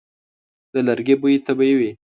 د لرګي بوی طبیعي وي.